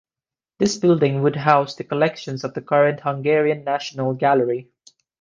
This building would house the collections of the current Hungarian National Gallery.